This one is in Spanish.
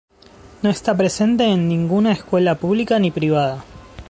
No esta presente en ninguna escuela pública ni privada.